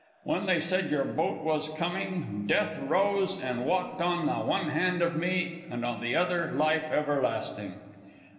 When they said your boat was coming, death rose and walked on the one hand of me, and on the other life everlasting.